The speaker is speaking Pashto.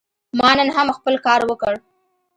ما نن هم خپل کار وکړ.